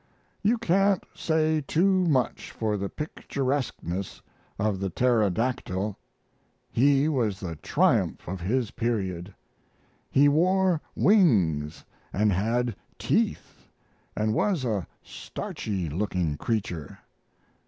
You can't say too much for the picturesqueness of the pterodactyl he was the triumph of his period. He wore wings and had teeth, and was a starchy looking creature.